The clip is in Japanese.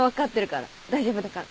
大丈夫だから。